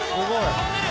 飛んでる！